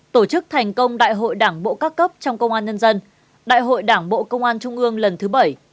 tổ chức thành công đại hội đảng bộ các cấp trong công an nhân dân đại hội đảng bộ công an trung ương lần thứ bảy